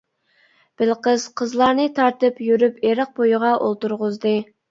بېلىقىز قىزلارنى تارتىپ يۈرۈپ ئېرىق بويىغا ئولتۇرغۇزدى.